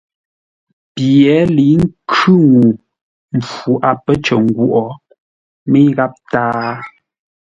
Pye ləi khʉ́ ŋuu mpfu a pə́ cər ngwôʼ, mə́i gháp tâa.